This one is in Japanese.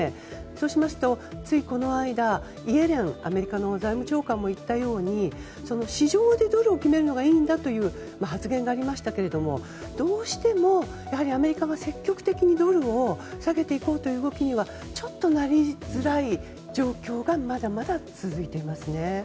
そうしますとついこの間、アメリカのイエレン財務長官も言ったように、市場でドルを決めるのがいいんだという発言がありりましたがどうしうてもアメリカが積極的にドルを下げていこうという動きにはなりづらい状況がまだまだ続いていますね。